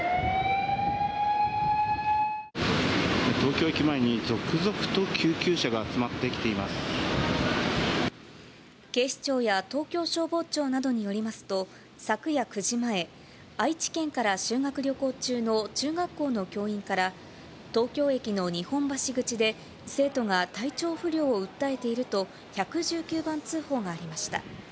東京駅前に続々と救急車が集警視庁や東京消防庁などによりますと、昨夜９時前、愛知県から修学旅行中の中学校の教員から、東京駅の日本橋口で、生徒が体調不良を訴えていると、１１９番通報がありました。